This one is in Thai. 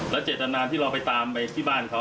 เจตนาที่เราไปตามไปที่บ้านเขา